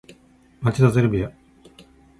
町田ゼルビア